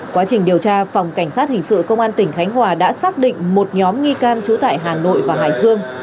quá trình điều tra phòng cảnh sát hình sự công an tỉnh khánh hòa đã xác định một nhóm nghi can trú tại hà nội và hải dương